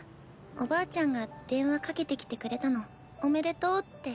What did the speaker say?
おばあちゃんが電話掛けてきてくれたのおめでとうって。